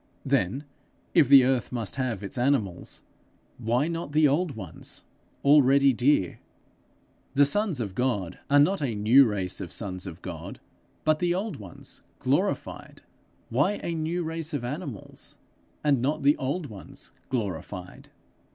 Then, if the earth must have its animals, why not the old ones, already dear? The sons of God are not a new race of sons of God, but the old race glorified: why a new race of animals, and not the old ones glorified?